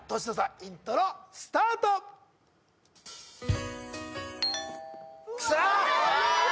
イントロスタートくそ！